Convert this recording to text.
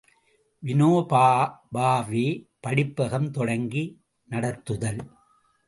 ● வினோபா பாவே படிப்பகம் தொடங்கி நடத்துதல்.